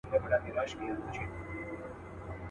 ځکه ډلي جوړوي د شریکانو.